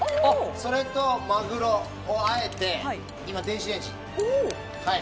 それと、マグロをあえて電子レンジ。